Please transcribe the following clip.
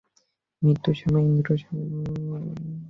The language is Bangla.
মৃত্যুর সময় ইন্দ্রিয়সমূহ মনে লয় পায়, মন লীন হয় প্রাণে।